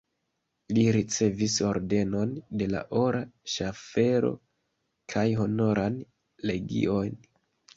Li ricevis Ordenon de la Ora Ŝaffelo kaj Honoran legion.